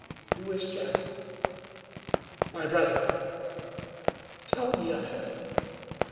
"Who is Jim?" "My brother." "Tell me of him."